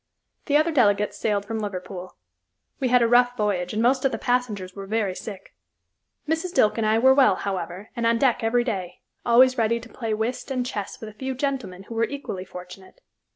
The other delegates sailed from Liverpool. We had a rough voyage and most of the passengers were very sick. Mrs. Dilke and I were well, however, and on deck every day, always ready to play whist and chess with a few gentlemen who were equally fortunate.